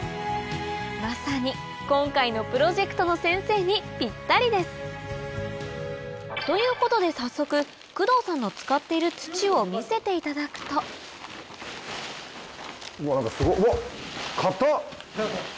まさに今回のプロジェクトの先生にぴったりですということで早速工藤さんの使っている土を見せていただくとうわ何かすごっ。